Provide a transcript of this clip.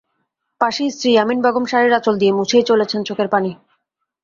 পাশে স্ত্রী ইয়াসমিন বেগম শাড়ির আঁচল দিয়ে মুছেই চলেছেন চোখের পানি।